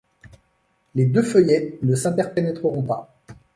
Les deux feuillets ne s’interpénètreront pas.